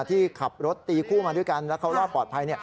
ที่ขับรถตีคู่มาด้วยกันแล้วเขารอดปลอดภัย